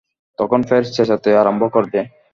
তখন ফের চেঁচাতে আরম্ভ করবে।